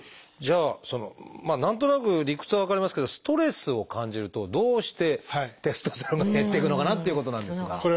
じゃあ何となく理屈は分かりますけどストレスを感じるとどうしてテストステロンが減っていくのかなっていうことなんですが。